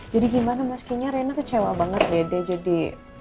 jadi gimana mas kini rena kecewa banget dede jadi